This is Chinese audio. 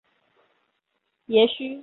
蝶须为菊科蝶须属的植物。